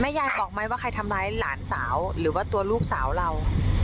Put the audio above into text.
ยายบอกไหมว่าใครทำร้ายหลานสาวหรือว่าตัวลูกสาวเรา